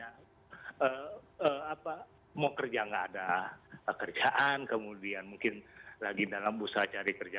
karena mau kerja nggak ada pekerjaan kemudian mungkin lagi dalam usaha cari kerja